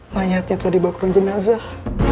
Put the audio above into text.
mayatnya tadi bakalan jenazah